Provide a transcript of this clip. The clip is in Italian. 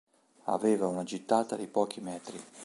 Aveva una gittata di pochi metri.